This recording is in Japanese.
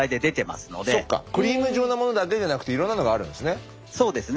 そっかクリーム状のものだけじゃなくていろんなものがあるんですね。